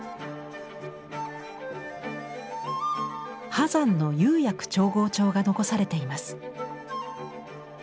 波山の釉薬調合帳が残されています。